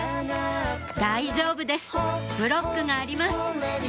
大丈夫ですブロックがあります